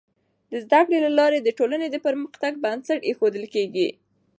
د زده کړي له لارې د ټولني د پرمختګ بنسټ ایښودل کيږي.